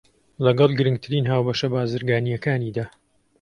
لەگەڵ گرنگترین هاوبەشە بازرگانییەکانیدا